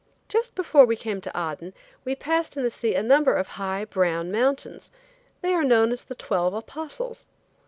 Just before we came to Aden we passed in the sea a number of high brown mountains. They are known as the Twelve Apostles.